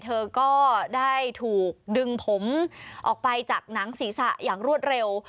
เธอก็ได้ถูกดึงผมออกไปจากหนังศีรษะอย่างรวดเร็ว